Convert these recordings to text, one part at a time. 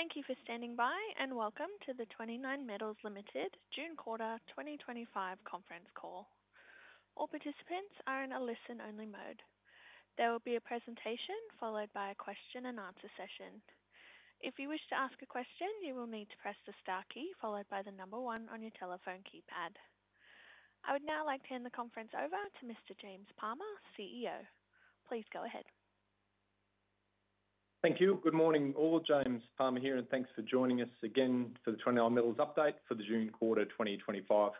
Thank you for standing by and welcome to the 29Metals Limited June Quarter 2025 Conference Call. All participants are in a listen-only mode. There will be a presentation followed by a question and answer session. If you wish to ask a question, you will need to press the star key followed by the number one on your telephone keypad. I would now like to hand the conference over to Mr. James Palmer, CEO. Please go ahead. Thank you. Good morning all, James Palmer here, and thanks for joining us again for the 29Metals Limited update for the June quarter 2025.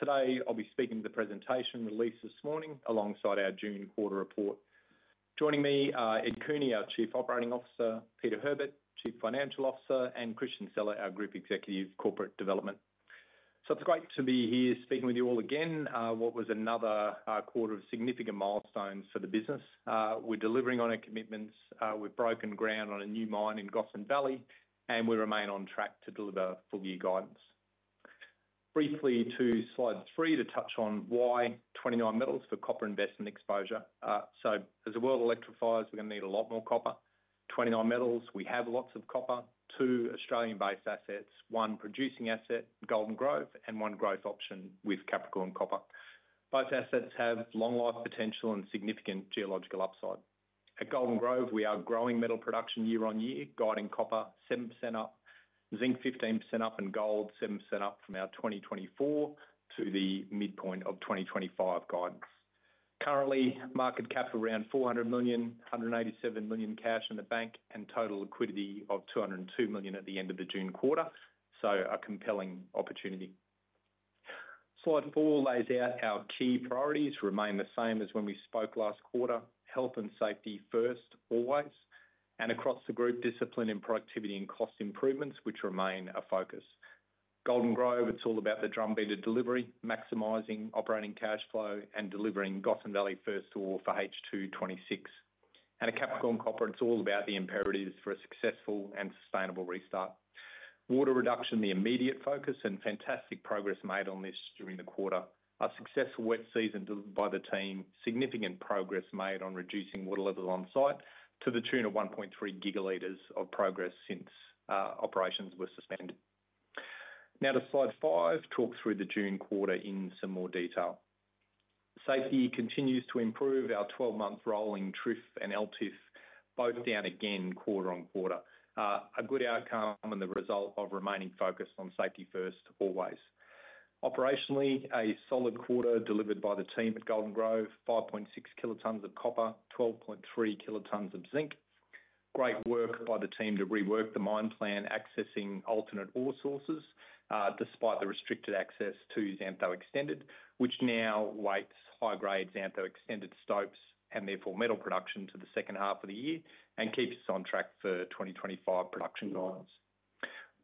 Today, I'll be speaking to the presentation released this morning alongside our June quarter report. Joining me are Ed Cooney, our Chief Operating Officer, Peter Herbert, Chief Financial Officer, and Christian Seller, our Group Executive Corporate Development. It's great to be here speaking with you all again. What was another quarter of significant milestones for the business? We're delivering on our commitments. We've broken ground on a new mine in Gotham Valley, and we remain on track to deliver full-year guidance. Briefly, to slide three to touch on why 29Metals Limited for copper investment exposure. As the world electrifies, we're going to need a lot more copper. 29Metals, we have lots of copper, two Australian-based assets, one producing asset, Golden Grove, and one growth option with Capricorn Copper. Both assets have long-life potential and significant geological upside. At Golden Grove, we are growing metal production year on year, guiding copper 7% up, zinc 15% up, and gold 7% up from our 2024 to the midpoint of 2025 guidance. Currently, market cap around $400 million, $187 million cash in the bank, and total liquidity of $202.2 million at the end of the June quarter. A compelling opportunity. Slide four lays out our key priorities remain the same as when we spoke last quarter: health and safety first, always, and across the group, discipline and productivity and cost improvements, which remain a focus. Golden Grove, it's all about the drumbeat of delivery, maximizing operating cash flow and delivering Gossan Valley first of all for H2-26. At Capricorn Copper, it's all about the imperatives for a successful and sustainable restart. Water reduction, the immediate focus, and fantastic progress made on this during the quarter. A successful wet season by the team, significant progress made on reducing water levels on site to the tune of 1.3 gigaliters of progress since operations were suspended. Now to slide five, talk through the June quarter in some more detail. Safety continues to improve. Our 12-month rolling TRIF and LTIF both down again quarter on quarter. A good outcome and the result of remaining focused on Safety1, always. Operationally, a solid quarter delivered by the team at Golden Grove, 5.6 kilotons of copper, 12.3 kilotons of zinc. Great work by the team to rework the mine plan, accessing alternate ore sources despite the restricted access to Xantho Extended, which now awaits high-grade Xantho Extended stopes and therefore metal production to the second half of the year and keeps us on track for 2025 production guidance.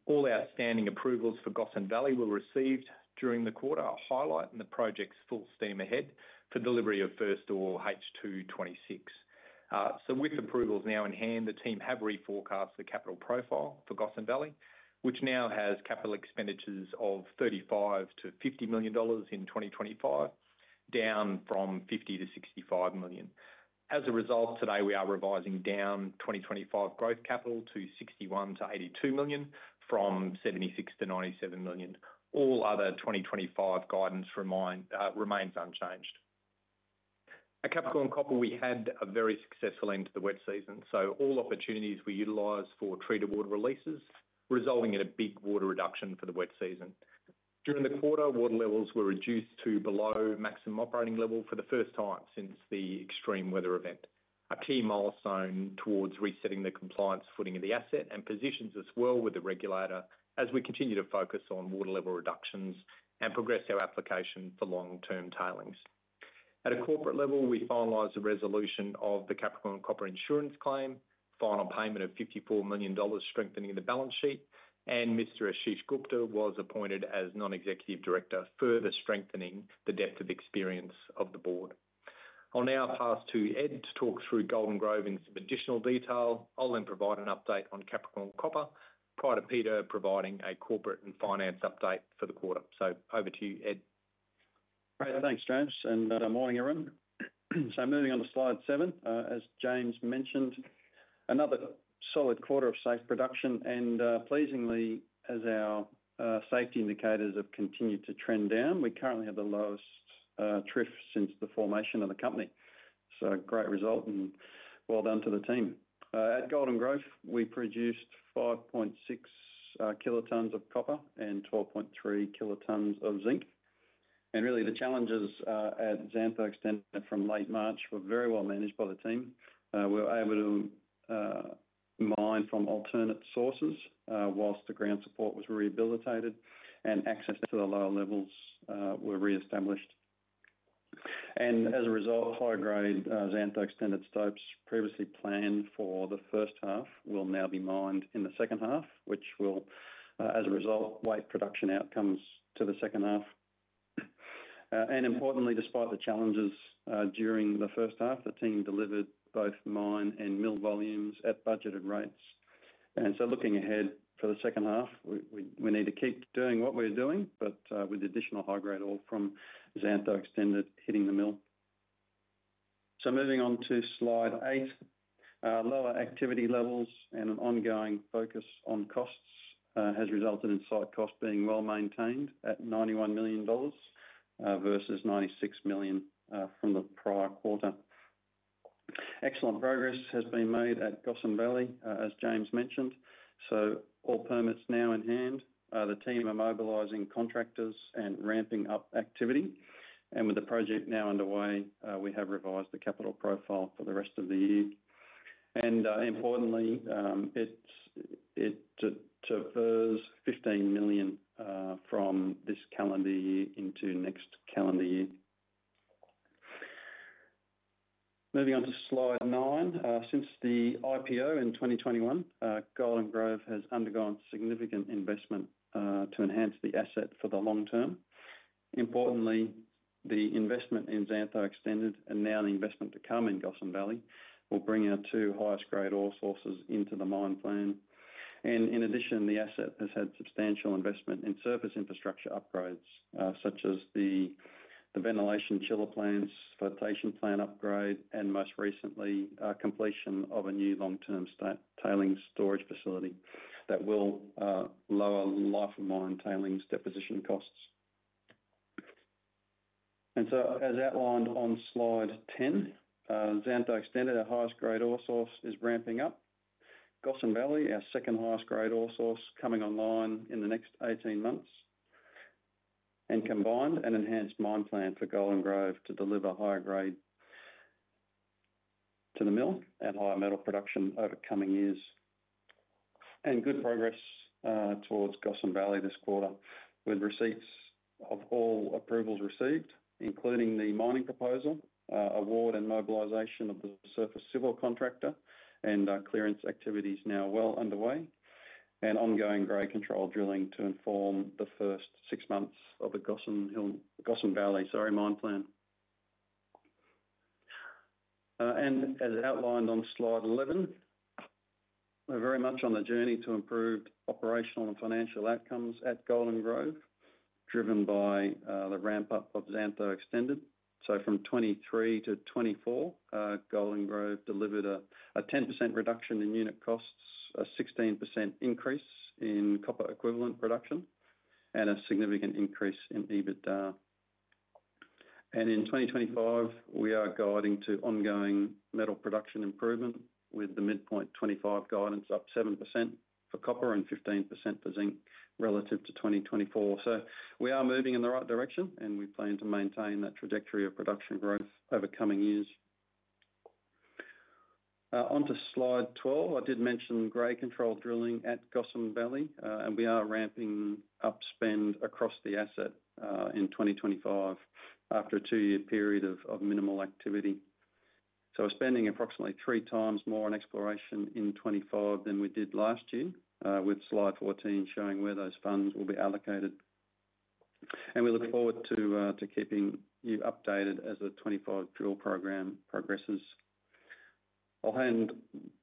All outstanding approvals for Gossan Valley were received during the quarter, highlighting the project's full steam ahead for delivery of first ore H2 2026. With approvals now in hand, the team have reforecast the capital profile for Gossan Valley, which now has capital expenditures of $35 million-$50 million in 2025, down from $50 million-$65 million. As a result, today we are revising down 2025 growth capital to $61 million-$82 million from $76 million-$97 million. All other 2025 guidance remains unchanged. At Capricorn Copper, we had a very successful end to the wet season, so all opportunities were utilized for treated water releases, resulting in a big water reduction for the wet season. During the quarter, water levels were reduced to below maximum operating level for the first time since the extreme weather event. A key milestone towards resetting the compliance footing of the asset and positions us well with the regulator as we continue to focus on water level reductions and progress our application for long-term tailings. At a corporate level, we finalized the resolution of the Capricorn Copper insurance claim, final payment of $54 million strengthening the balance sheet, and Mr. Ashish Gupta was appointed as Non-Executive Director, further strengthening the depth of experience of the board. I'll now pass to Ed to talk through Golden Grove in some additional detail. I'll then provide an update on Capricorn Copper prior to Peter providing a corporate and finance update for the quarter. Over to you, Ed. Thanks, James, and good morning, everyone. Moving on to slide seven, as James mentioned, another solid quarter of safe production and, pleasingly, as our safety indicators have continued to trend down, we currently have the lowest TRIF since the formation of the company. Great result and well done to the team. At Golden Grove, we produced 5.6 kilotons of copper and 12.3 kilotons of zinc. The challenges at Xantho Extended from late March were very well managed by the team. We were able to mine from alternate sources while the ground support was rehabilitated and access to the lower levels was reestablished. As a result, high-grade Xantho Extended stopes previously planned for the first half will now be mined in the second half, which will, as a result, weigh production outcomes to the second half. Importantly, despite the challenges during the first half, the team delivered both mine and mill volumes at budgeted rates. Looking ahead for the second half, we need to keep doing what we're doing, but with additional high-grade ore from Xantho Extended hitting the mill. Moving on to slide eight, lower activity levels and an ongoing focus on costs has resulted in site costs being well maintained at $91 million versus $96 million from the prior quarter. Excellent progress has been made at Gossan Valley, as James mentioned. All permits are now in hand, the team are mobilizing contractors and ramping up activity. With the project now underway, we have revised the capital profile for the rest of the year. Importantly, it's to defer $15 million from this calendar year into next calendar year. Moving on to slide nine, since the IPO in 2021, Golden Grove has undergone significant investment to enhance the asset for the long term. Importantly, the investment in Xantho Extended and now the investment to come in Gossan Valley will bring our two highest grade ore sources into the mine plan. In addition, the asset has had substantial investment in surface infrastructure upgrades such as the ventilation chiller plants, flotation plant upgrade, and most recently, completion of a new long-term tailings storage facility that will lower life-of-mine tailings deposition costs. As outlined on slide 10, Xantho Extended, our highest grade ore source, is ramping up. Gossan Valley, our second highest grade ore source, is coming online in the next 18 months. A combined, enhanced mine plan for Golden Grove will deliver higher grade to the mill and higher metal production over coming years. There has been good progress towards Gossan Valley this quarter with receipt of all approvals, including the mining proposal, award and mobilization of the surface civil contractor, and clearance activities now well underway. Ongoing grade control drilling will inform the first six months of the Gossan Valley mine plan. As outlined on slide 11, we are very much on the journey to improve operational and financial outcomes at Golden Grove, driven by the ramp-up of Xantho Extended. From 2023 to 2024, Golden Grove delivered a 10% reduction in unit costs, a 16% increase in copper equivalent production, and a significant increase in EBITDA. In 2025, we are guiding to ongoing metal production improvement with the midpoint 2025 guidance up 7% for copper and 15% for zinc relative to 2024. We are moving in the right direction and plan to maintain that trajectory of production growth over coming years. On slide 12, I mentioned grade control drilling at Gossan Valley and we are ramping up spend across the asset in 2025 after a two-year period of minimal activity. We are spending approximately three times more on exploration in 2025 than we did last year, with slide 14 showing where those funds will be allocated. We look forward to keeping you updated as the 2025 drill program progresses. I'll hand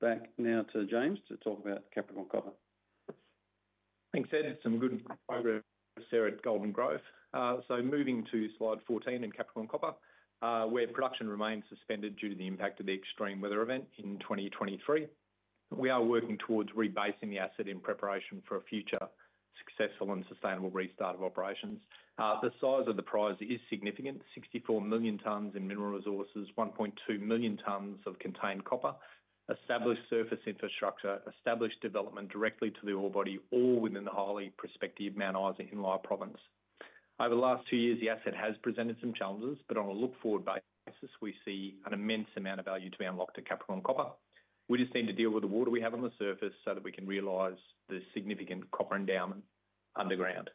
back now to James to talk about Capricorn Copper. Thanks, Ed. It's some good progress here at Golden Grove. Moving to slide 14 in Capricorn Copper, where production remains suspended due to the impact of the extreme weather event in 2023, we are working towards rebasing the asset in preparation for a future successful and sustainable restart of operations. The size of the prize is significant: 64 million tons in mineral resources, 1.2 million tons of contained copper, established surface infrastructure, established development directly to the orebody, all within the highly prospective Mount Isa in Lai Province. Over the last two years, the asset has presented some challenges, but on a look-forward basis, we see an immense amount of value to be unlocked at Capricorn Copper. We just need to deal with the water we have on the surface so that we can realize the significant copper endowment underground.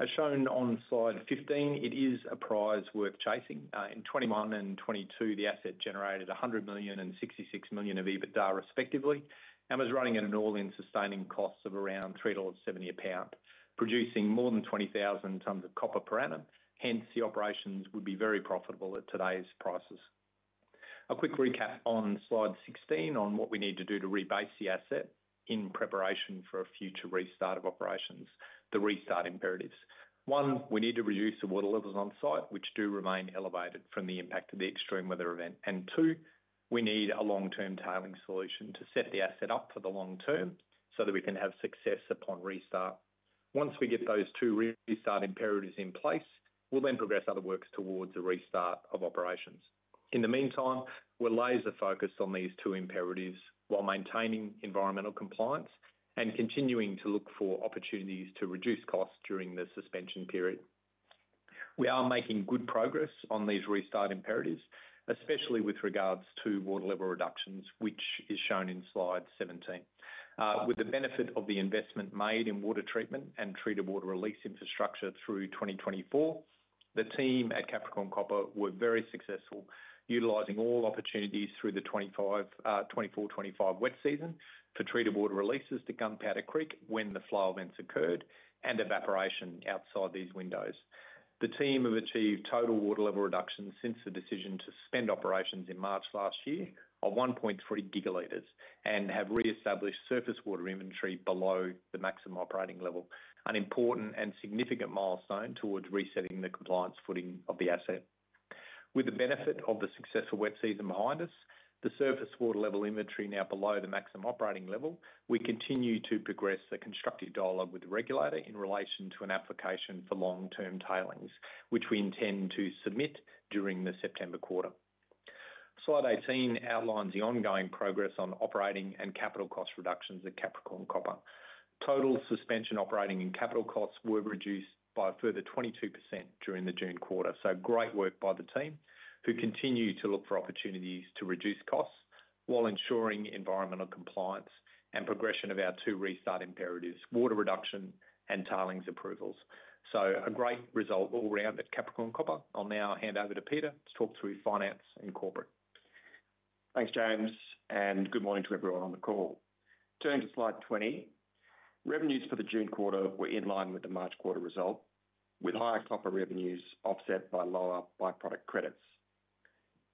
As shown on slide 15, it is a prize worth chasing. In 2021 and 2022, the asset generated $100 million and $66 million of EBITDA respectively and was running at an all-in sustaining cost of around $3.70 a pound, producing more than 20,000 tons of copper per annum. Hence, the operations would be very profitable at today's prices. A quick recap on slide 16 on what we need to do to rebase the asset in preparation for a future restart of operations, the restart imperatives. One, we need to reduce the water levels on site, which do remain elevated from the impact of the extreme weather event. Two, we need a long-term tailings solution to set the asset up for the long term so that we can have success upon restart. Once we get those two restart imperatives in place, we'll then progress other works towards a restart of operations. In the meantime, we're laser focused on these two imperatives while maintaining environmental compliance and continuing to look for opportunities to reduce costs during the suspension period. We are making good progress on these restart imperatives, especially with regards to water level reductions, which is shown in slide 17. With the benefit of the investment made in water treatment and treated water release infrastructure through 2024, the team at Capricorn Copper were very successful, utilizing all opportunities through the 2024-2025 wet season for treated water releases to Gunpowder Creek when the flow events occurred and evaporation outside these windows. The team have achieved total water level reductions since the decision to suspend operations in March last year of 1.3 gigaliters and have reestablished surface water inventory below the maximum operating level, an important and significant milestone towards resetting the compliance footing of the asset. With the benefit of the successful wet season behind us, the surface water level inventory now below the maximum operating level, we continue to progress the constructive dialogue with the regulator in relation to an application for long-term tailings, which we intend to submit during the September quarter. Slide 18 outlines the ongoing progress on operating and capital cost reductions at Capricorn Copper. Total suspension operating and capital costs were reduced by a further 22% during the June quarter. Great work by the team who continue to look for opportunities to reduce costs while ensuring environmental compliance and progression of our two restart imperatives, water reduction and tailings approvals. A great result all around at Capricorn Copper. I'll now hand over to Peter to talk through finance and corporate. Thanks, James, and good morning to everyone on the call. Turning to slide 20, revenues for the June quarter were in line with the March quarter result, with higher copper revenues offset by lower byproduct credits.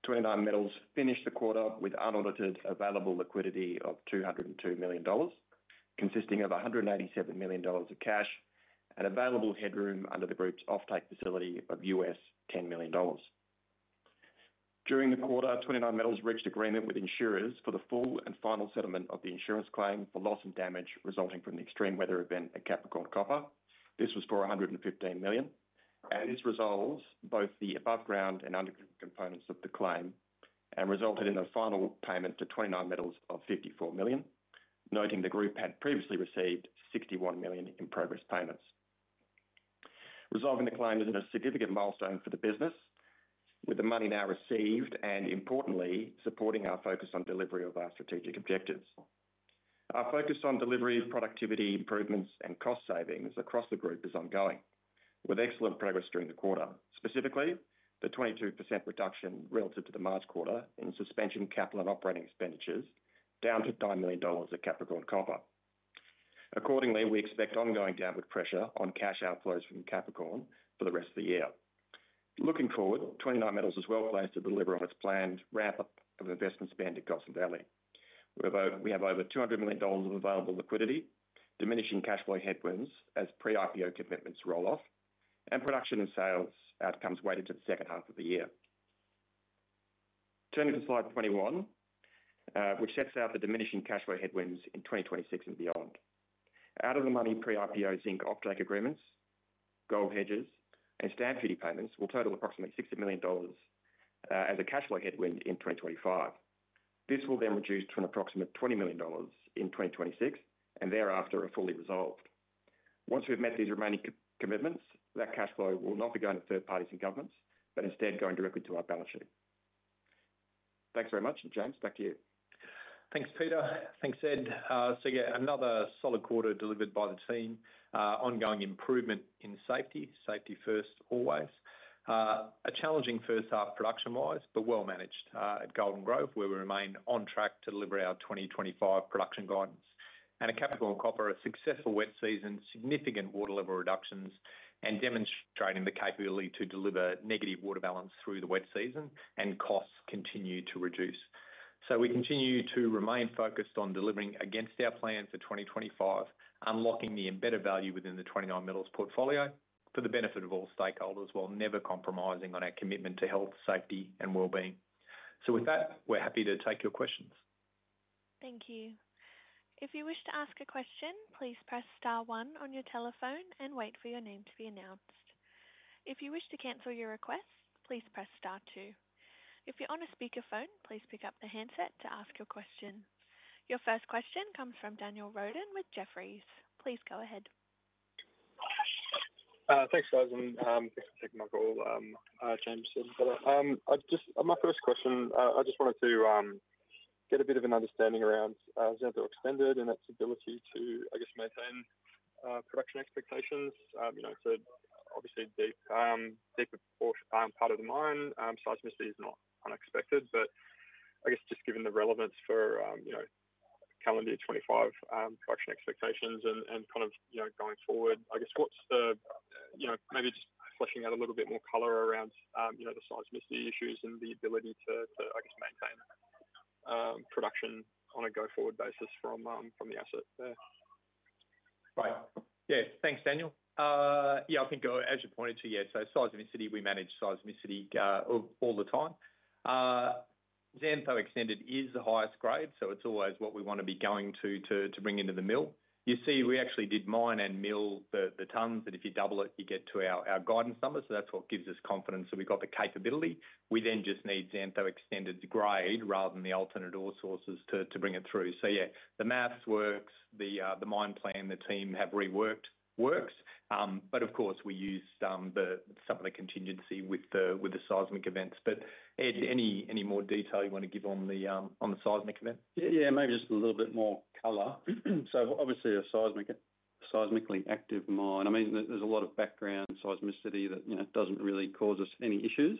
29Metals Limited finished the quarter with unaudited available liquidity of $202 million, consisting of $187 million of cash and available headroom under the group's offtake facility of $10 million. During the quarter, 29Metals reached agreement with insurers for the full and final settlement of the insurance claim for loss and damage resulting from the extreme weather event at Capricorn Copper. This was for $115 million, and this resolves both the above-ground and underground components of the claim and resulted in a final payment to 29Metals of $54 million, noting the group had previously received $61 million in progress payments. Resolving the claim is a significant milestone for the business, with the money now received and importantly supporting our focus on delivery of our strategic objectives. Our focus on delivery of productivity improvements and cost savings across the group is ongoing, with excellent progress during the quarter, specifically the 22% reduction relative to the March quarter in suspension capital and operating expenditures down to $9 million at Capricorn Copper. Accordingly, we expect ongoing downward pressure on cash outflows from Capricorn for the rest of the year. Looking forward, 29Metals is well placed to deliver on its planned ramp-up of investment spend at Gotham Valley. We have over $200 million of available liquidity, diminishing cash flow headwinds as pre-IPO commitments roll off, and production and sales outcomes weighted to the second half of the year. Turning to slide 21, which sets out the diminishing cash flow headwinds in 2026 and beyond. Out of the money pre-IPO zinc offtake agreements, gold hedges, and stamp duty payments will total approximately $60 million as a cash flow headwind in 2025. This will then reduce to an approximate $20 million in 2026 and thereafter are fully resolved. Once we've met these remaining commitments, that cash flow will not be going to third parties and governments, but instead going directly to our balance sheet. Thanks very much, and James, back to you. Thanks, Peter. Thanks, Ed. Another solid quarter delivered by the team. Ongoing improvement in safety, safety first, always. A challenging first half production-wise, but well managed at Golden Grove, where we remain on track to deliver our 2025 production guidance. At Capricorn Copper, a successful wet season, significant water level reductions, and demonstrating the capability to deliver negative water balance through the wet season, and costs continue to reduce. We continue to remain focused on delivering against our plan for 2025, unlocking the embedded value within the 29Metals portfolio for the benefit of all stakeholders while never compromising on our commitment to health, safety, and wellbeing. With that, we're happy to take your questions. Thank you. If you wish to ask a question, please press star one on your telephone and wait for your name to be announced. If you wish to cancel your request, please press star two. If you're on a speakerphone, please pick up the handset to ask your question. Your first question comes from Daniel Roden with Jefferies. Please go ahead. Thanks, Doug, and good to take my call, James said. My first question, I just wanted to get a bit of an understanding around Xantho Extended and its ability to, I guess, maintain production expectations. You know, it's a obviously deep, deeper part of the mine. Seismicity is not unexpected, but I guess just given the relevance for, you know, calendar year 2025 production expectations and kind of, you know, going forward, I guess what's the, you know, maybe just fleshing out a little bit more color around, you know, the seismicity issues and the ability to, I guess, maintain production on a go-forward basis from the asset there. Right. Yeah, thanks, Daniel. I think, as you pointed to, yeah, seismicity, we manage seismicity all the time. Xantho Extended is the highest grade, so it's always what we want to be going to bring into the mill. You see, we actually did mine and mill the tons, but if you double it, you get to our guidance number. That's what gives us confidence that we've got the capability. We then just need Xantho Extended grade rather than the alternate ore sources to bring it through. Yeah, the maths works, the mine plan the team have reworked works, of course we use some of the contingency with the seismic events. Ed, any more detail you want to give on the seismic event? Yeah, maybe just a little bit more color. Obviously, a seismically active mine, there's a lot of background seismicity that doesn't really cause us any issues.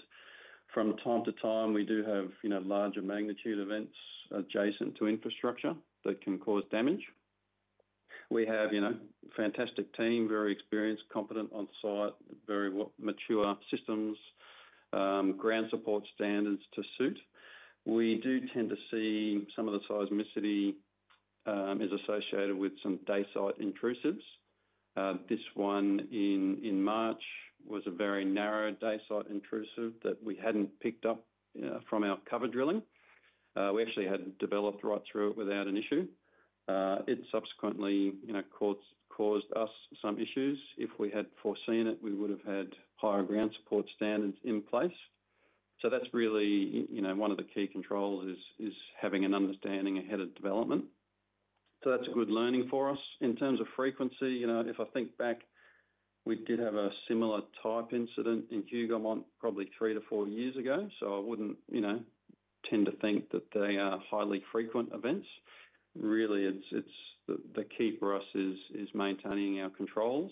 From time to time, we do have larger magnitude events adjacent to infrastructure that can cause damage. We have a fantastic team, very experienced, competent on site, very mature systems, ground support standards to suit. We do tend to see some of the seismicity is associated with some dacite intrusives. This one in March was a very narrow dacite intrusive that we hadn't picked up from our cover drilling. We actually had developed right through it without an issue. It subsequently caused us some issues. If we had foreseen it, we would have had higher ground support standards in place. That's really one of the key controls, having an understanding ahead of development. That's a good learning for us. In terms of frequency, if I think back, we did have a similar type incident in Hougoumont probably three to four years ago. I wouldn't tend to think that they are highly frequent events. Really, the key for us is maintaining our controls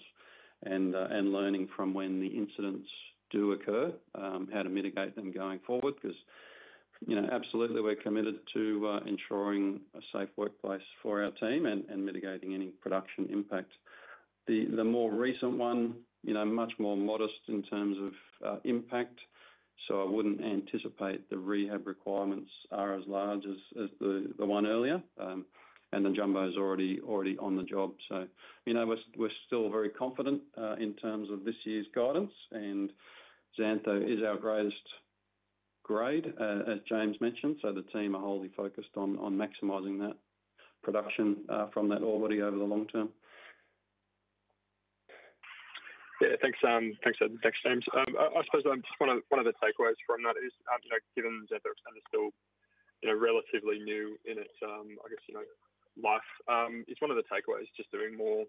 and learning from when the incidents do occur, how to mitigate them going forward. Absolutely, we're committed to ensuring a safe workplace for our team and mitigating any production impact. The more recent one, much more modest in terms of impact. I wouldn't anticipate the rehab requirements are as large as the one earlier, and the jumbo is already on the job. We're still very confident in terms of this year's guidance. Xantho is our greatest grade, as James mentioned. The team are wholly focused on maximizing that production from that orebody over the long term. Yeah, thanks, James. I suppose one of the takeaways from that is, given Xantho Extended is still relatively new in its life, it's one of the takeaways just doing more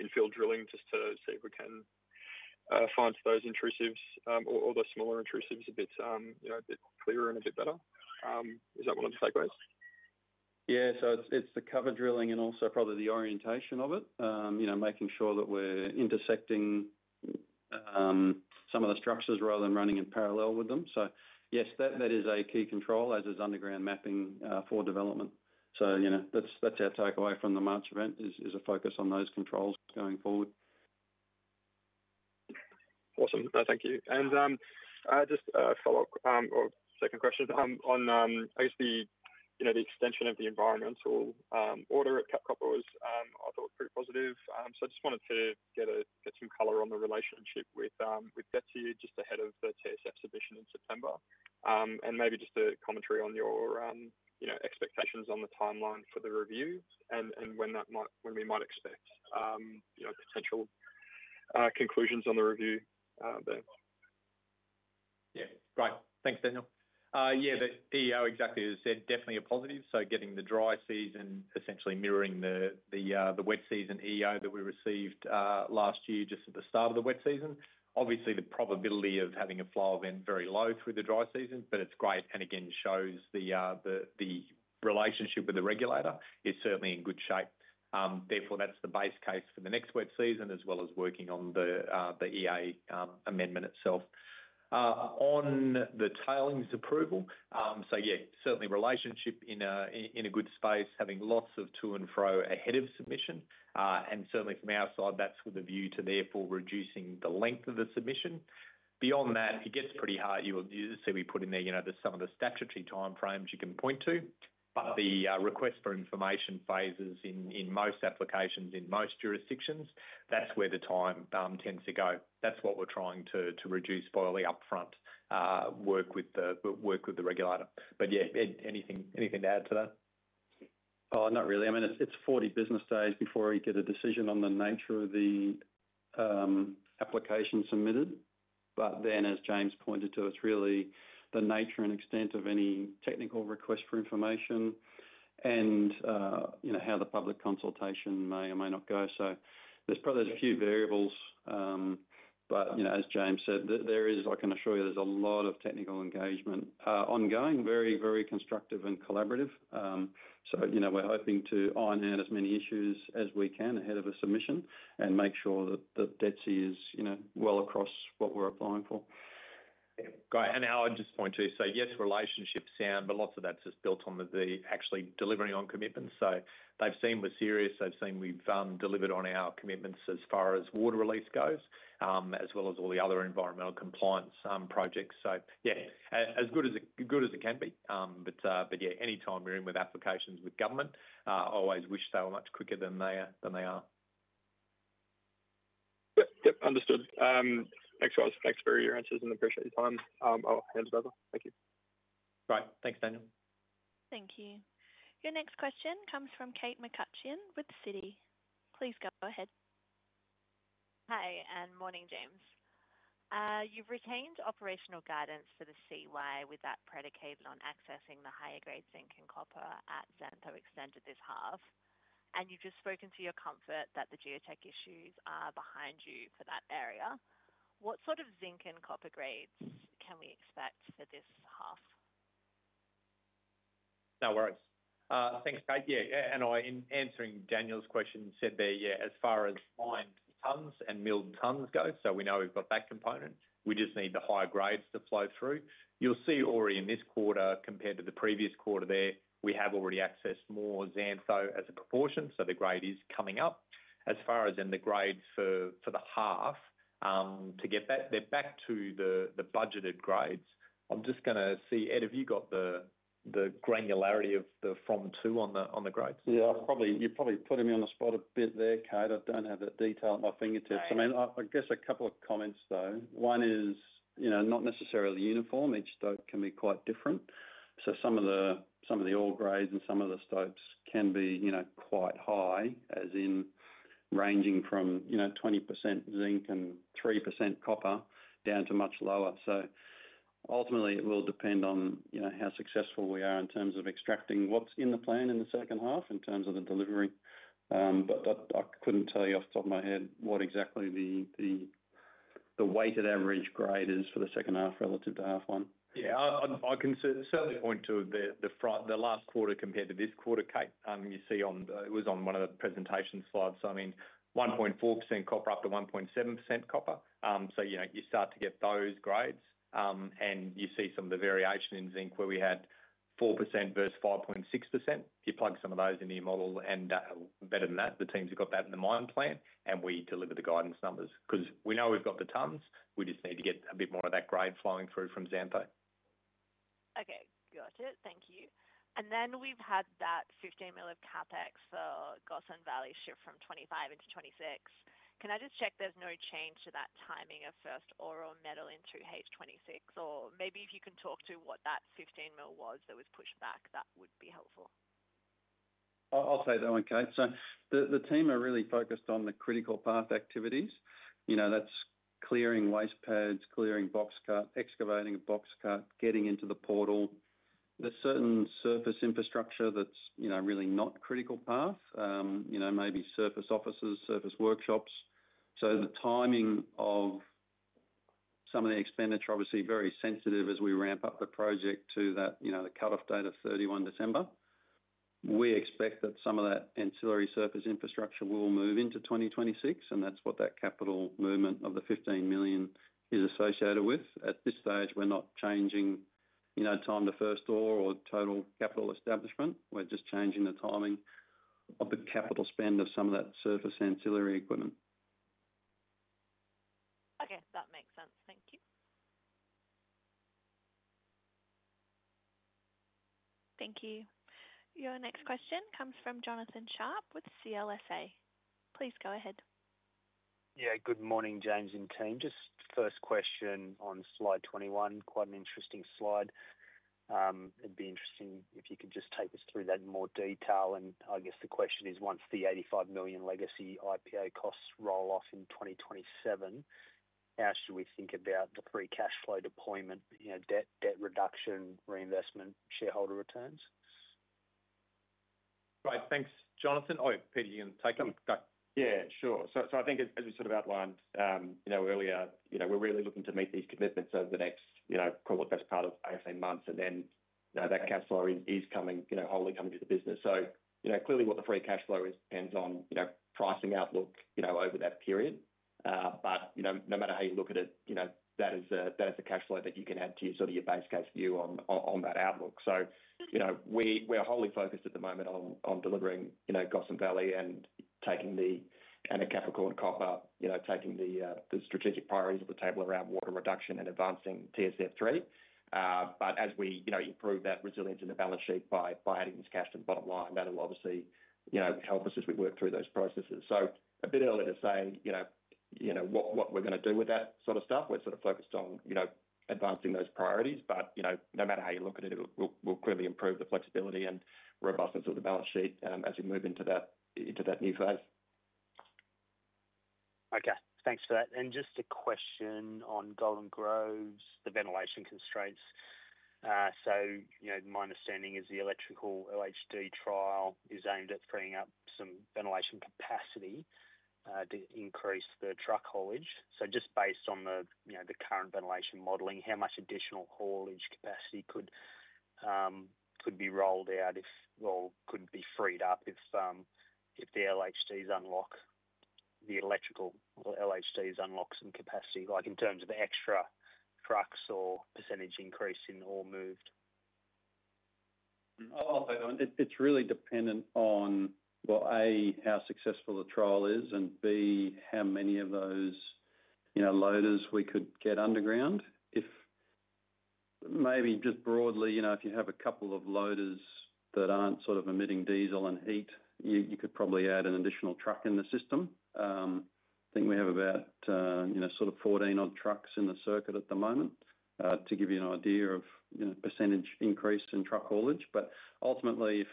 infield drilling just to see if we can find those intrusives or those smaller intrusives a bit clearer and a bit better. Is that one of the takeaways? Yeah, so it's the cover drilling and also probably the orientation of it, making sure that we're intersecting some of the structures rather than running in parallel with them. Yes, that is a key control, as is underground mapping for development. That's our takeaway from the March event, a focus on those controls going forward. Thank you. Just a follow-up or second question on the extension of the environmental order at Capricorn Copper was, I thought, pretty positive. I just wanted to get a bit of color on the relationship with Betsy just ahead of the TSS submission in September, and maybe just a commentary on your expectations on the timeline for the review and when we might expect potential conclusions on the review there. Yeah, great, thanks, Daniel. Yeah, the EEO exactly as said, definitely a positive. Getting the dry season essentially mirroring the wet season EEO that we received last year just at the start of the wet season. Obviously, the probability of having a flow event is very low through the dry season, but it's great and again shows the relationship with the regulator is certainly in good shape. Therefore, that's the base case for the next wet season as well as working on the EA amendment itself. On the tailings approval, certainly the relationship is in a good space, having lots of to and fro ahead of submission. Certainly from our side, that's with a view to therefore reducing the length of the submission. Beyond that, it gets pretty hard. You will see we put in there, you know, there's some of the statutory timeframes you can point to, but the request for information phases in most applications in most jurisdictions, that's where the time tends to go. That's what we're trying to reduce, spoiling upfront, work with the regulator. Yeah, anything to add to that? Oh, not really. I mean, it's 40 business days before we get a decision on the nature of the application submitted. As James pointed to, it's really the nature and extent of any technical request for information and, you know, how the public consultation may or may not go. There are probably a few variables. As James said, I can assure you there's a lot of technical engagement ongoing, very, very constructive and collaborative. We're hoping to iron out as many issues as we can ahead of a submission and make sure that Betsy is, you know, well across what we're applying for. Great. I'd just point to, yes, relationships sound, but lots of that's just built on actually delivering on commitments. They've seen we're serious, they've seen we've delivered on our commitments as far as water release goes, as well as all the other environmental compliance projects. As good as it can be, but anytime we're in with applications with government, I always wish they were much quicker than they are. Yep, yep, understood. Thanks for your answers and appreciate your time. I'll hand it over. Thank you. Great, thanks, Daniel. Thank you. Your next question comes from Kate McCutcheon with Citi. Please go ahead. Hi, and morning, James. You've retained operational guidance for the CY with that predicated on accessing the higher grade zinc and copper at Xantho Extended this half. You've just spoken to your comfort that the geotech issues are behind you for that area. What sort of zinc and copper grades can we expect for this half? No worries. Thanks, Kate. Yeah, in answering Daniel's question there, as far as mined tons and milled tons go, we know we've got that component. We just need the higher grades to flow through. You'll see already in this quarter compared to the previous quarter, we have already accessed more xantho as a proportion, so the grade is coming up. As far as in the grades for the half, to get that back to the budgeted grades, I'm just going to see, Ed, have you got the granularity of the form two on the grades? Yeah, you're probably putting me on the spot a bit there, Kate. I don't have that detail at my fingertips. I guess a couple of comments though. One is, you know, not necessarily uniform. Each stope can be quite different. Some of the ore grades and some of the stopes can be quite high, as in ranging from 20% zinc and 3% copper down to much lower. Ultimately, it will depend on how successful we are in terms of extracting what's in the plan in the second half in terms of the delivery. I couldn't tell you off the top of my head what exactly the weighted average grade is for the second half relative to half one. Yeah, I can certainly point to the last quarter compared to this quarter, Kate. You see, it was on one of the presentation slides. I mean, 1.4% copper up to 1.7% copper. You start to get those grades and you see some of the variation in zinc where we had 4% versus 5.6%. You plug some of those in your model and better than that, the teams have got that in the mine plan and we deliver the guidance numbers because we know we've got the tons. We just need to get a bit more of that grade flowing through from Xantho. Okay, got it. Thank you. We've had that $15 million of CapEx for Gossan Valley shift from 2025 into 2026. Can I just check there's no change to that timing of first ore or metal in through H2 2026, or maybe if you can talk to what that $15 million was that was pushed back, that would be helpful. I'll say that, okay. The team are really focused on the critical path activities. You know, that's clearing wastepads, clearing box cut, excavating a box cut, getting into the portal. There's certain surface infrastructure that's really not critical path, maybe surface offices, surface workshops. The timing of some of the expenditure obviously is very sensitive as we ramp up the project to that cutoff date of 31 December. We expect that some of that ancillary surface infrastructure will move into 2026, and that's what that capital movement of the $15 million is associated with. At this stage, we're not changing time to first ore or total capital establishment. We're just changing the timing of the capital spend of some of that surface ancillary equipment. Okay, that makes sense. Thank you. Thank you. Your next question comes from Jonathan Sharp with CLSA. Please go ahead. Yeah, good morning, James and team. First question on slide 21. Quite an interesting slide. It'd be interesting if you could just take us through that in more detail. I guess the question is, once the $85 million legacy IPO costs roll off in 2027, how should we think about the pre-cash flow deployment, you know, debt reduction, reinvestment, shareholder returns? Right, thanks, Jonathan. Peter, you can take it. Yeah, sure. I think as we sort of outlined earlier, we're really looking to meet these commitments over the next, you know, probably the best part of eight or so months. Then that cash flow is coming, wholly coming to the business. Clearly, what the free cash flow is depends on pricing outlook over that period, but no matter how you look at it, that is a cash flow that you can add to your base case view on that outlook. We're wholly focused at the moment on delivering Gotham Valley and at Capricorn Copper, taking the strategic priorities off the table around water reduction and advancing TSF3. As we improve that resilience in the balance sheet by adding this cash to the bottom line, that'll obviously help us as we work through those processes. It's a bit early to say what we're going to do with that sort of stuff; we're focused on advancing those priorities. No matter how you look at it, we'll clearly improve the flexibility and robustness of the balance sheet as we move into that new phase. Okay, thanks for that. Just a question on Golden Grove's ventilation constraints. My understanding is the electrical LHD trial is aimed at freeing up some ventilation capacity to increase the truck haulage. Based on the current ventilation modeling, how much additional haulage capacity could be rolled out, or could be freed up, if the electrical LHDs unlock some capacity, like in terms of extra trucks or percentage increase in ore moved? It's really dependent on, A, how successful the trial is and B, how many of those loaders we could get underground. If maybe just broadly, if you have a couple of loaders that aren't emitting diesel and heat, you could probably add an additional truck in the system. I think we have about 14-odd trucks in the circuit at the moment to give you an idea of percentage increase in truck haulage. Ultimately,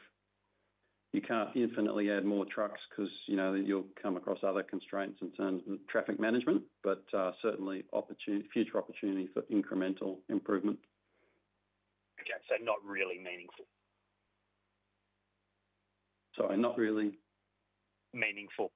you can't infinitely add more trucks because you'll come across other constraints in terms of traffic management, but certainly future opportunity for incremental improvement. Okay, so not really meaningful. Sorry, not really. Meaningful.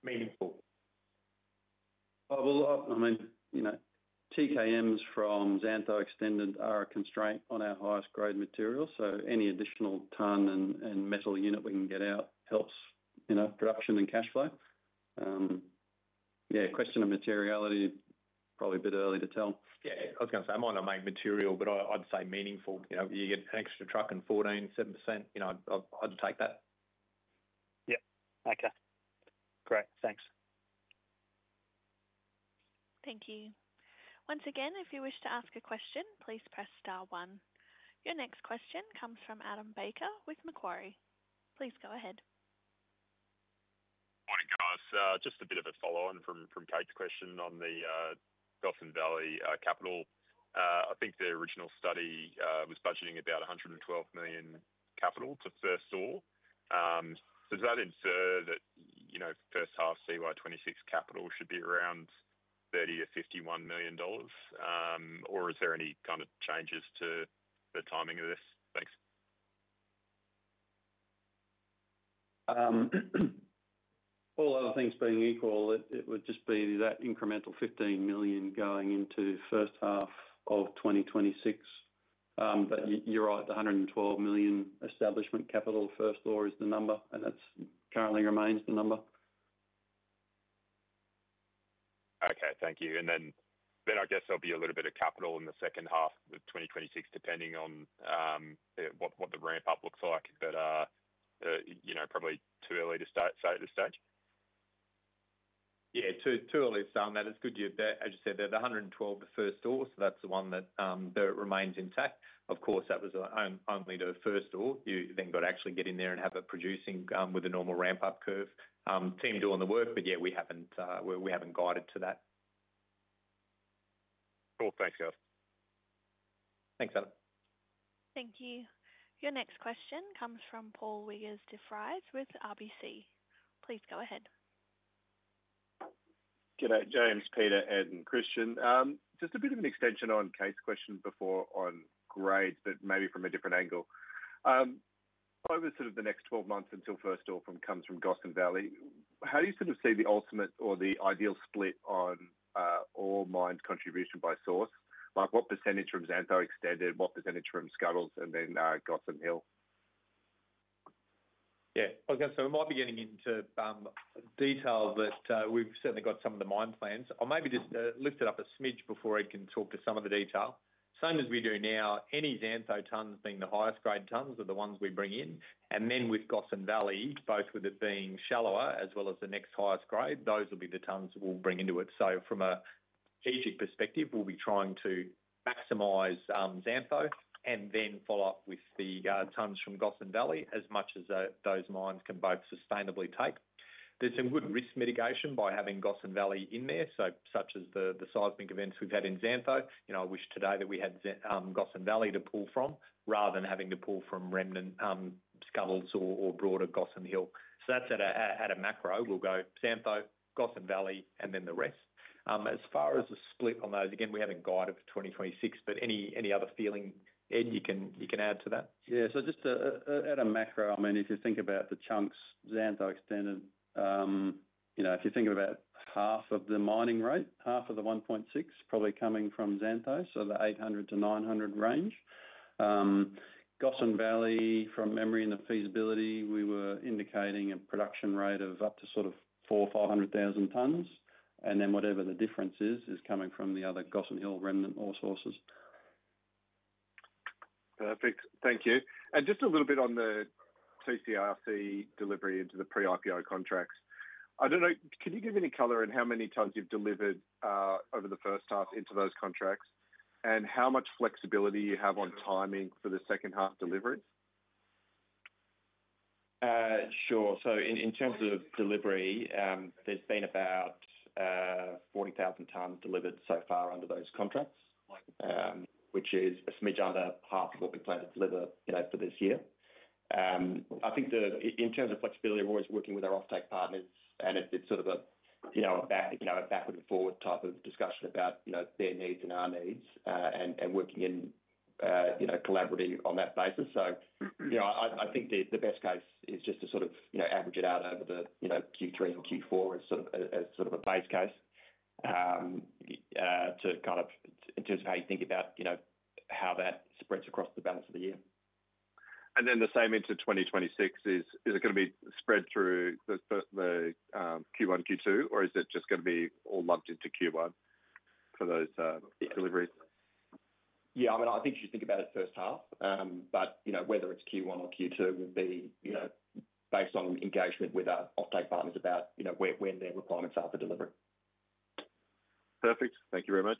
TKMs from Xantho Extended are a constraint on our highest grade material. Any additional ton and metal unit we can get out helps production and cash flow. Question of materiality, probably a bit early to tell. Yeah, I was going to say I might not make material, but I'd say meaningful. You know, you get an extra truck and 14.7%, you know, I'd take that. Yeah, okay. Great, thanks. Thank you. Once again, if you wish to ask a question, please press star one. Your next question comes from Adam Baker with Macquarie. Please go ahead. Morning guys. Just a bit of a follow-on from Kate's question on the Gossan Valley capital. I think the original study was budgeting about $112 million capital to first saw. Does that infer that, you know, first half CY2026 capital should be around $30 million-$51 million? Is there any kind of changes to the timing of this? Thanks. All other things being equal, it would just be that incremental $15 million going into first half of 2026. You're right, the $112 million establishment capital first door is the number, and that currently remains the number. Okay, thank you. There'll be a little bit of capital in the second half of 2026 depending on what the ramp-up looks like. It's probably too early to say at this stage. Yeah, too early to say on that. It's good you're there. As you said, they're the 112 first door, so that's the one that remains intact. Of course, that was only the first door. You then got to actually get in there and have it producing with a normal ramp-up curve. Team doing the work, but yeah, we haven't guided to that. Cool, thanks guys. Thanks, Adam. Thank you. Your next question comes from Paul Wiggersde Vries with RBC. Please go ahead. G'day, James, Peter, and Christian. Just a bit of an extension on Kate's question before on grades, but maybe from a different angle. Over sort of the next 12 months until first ore comes from Gossan Valley, how do you sort of see the ultimate or the ideal split on ore mines' contribution by source? Like what percentage from Xantho Extended, what percentage from Scuddles, and then Gossan Hill? Yeah, okay, we might be getting into detail, but we've certainly got some of the mine plans. I'll maybe just lift it up a smidge before Ed can talk to some of the detail. Same as we do now, any Xantho tons being the highest grade tons are the ones we bring in. With Gossan Valley, both with it being shallower as well as the next highest grade, those will be the tons we'll bring into it. From a strategic perspective, we'll be trying to maximize Xantho and then follow up with the tons from Gossan Valley as much as those mines can both sustainably take. There's some good risk mitigation by having Gossan Valley in there, such as the seismic events we've had in Xantho. I wish today that we had Gotham Valley to pull from rather than having to pull from remnant skuttles or broader Gossan Hill. That's at a macro. We'll go Xantho, Gossan Valley, and then the rest. As far as the split on those, again, we haven't guided for 2026, but any other feeling, Ed, you can add to that? Yeah, just at a macro, if you think about the chunks, Xantho Extended, if you think about half of the mining rate, half of the 1.6 probably coming from Xantho, so the 800-900 range. Gossan Valley, from memory and the feasibility, we were indicating a production rate of up to 400,000-500,000 tons. Whatever the difference is, is coming from the other Gotham Hill remnant ore sources. Perfect, thank you. Just a little bit on the TCIFC delivery into the pre-IPO contracts. Can you give any color on how many tons you've delivered over the first half into those contracts, and how much flexibility you have on timing for the second half deliveries? Sure, in terms of delivery, there's been about 40,000 tons delivered so far under those contracts, which is a smidge under half of what we plan to deliver for this year. I think that in terms of flexibility, we're always working with our offtake partners and it's sort of a backward and forward type of discussion about their needs and our needs and working in, collaborating on that basis. I think the best case is just to sort of average it out over Q3 or Q4 as sort of a base case in terms of how you think about how that spreads across the balance of the year. Is it going to be spread through Q1, Q2 in 2026, or is it just going to be all lumped into Q1 for those deliveries? Yeah, I mean, I think you should think about it first half, but whether it's Q1 or Q2 would be based on engagement with our offtake partners about when their requirements are for delivery. Perfect, thank you very much.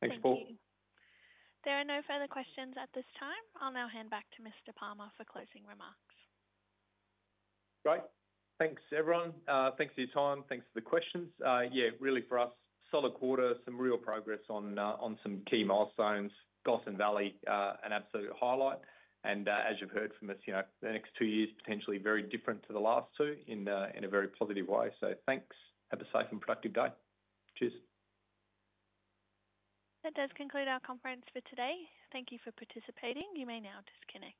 Thanks, Paul. Thank you. There are no further questions at this time. I'll now hand back to Mr. Palmer for closing remarks. Great, thanks everyone. Thanks for your time. Thanks for the questions. Really, for us, solid quarter, some real progress on some key milestones. Gotham Valley, an absolute highlight. As you've heard from us, the next two years potentially very different to the last two in a very positive way. Thanks, have a safe and productive day. Cheers. That does conclude our conference for today. Thank you for participating. You may now disconnect.